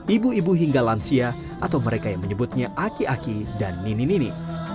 ibu ibu hingga lansia atau mereka yang menyebutnya aki aki dan nini nini